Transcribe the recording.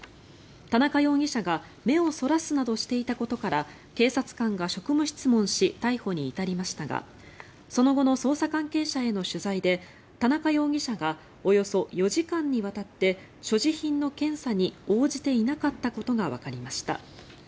田中容疑者が目をそらすなどしていたことから警察官が職務質問し逮捕に至りましたがその後の捜査関係者への取材で田中容疑者がおよそ４時間にわたって所持品の検査に応じていなかったことがわかりました。